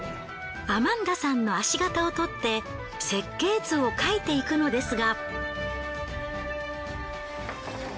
アマンダさんの足型をとって設計図を描いていくのですが。